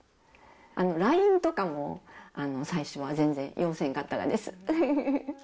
ＬＩＮＥとかも最初は全然、ようせんかったです。